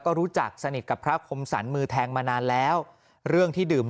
ก็รู้จักสนิทกับพระคมสรรมือแทงมานานแล้วเรื่องที่ดื่ม